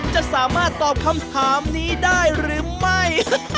จะสามารถตอบคำถามนี้ได้หรือไม่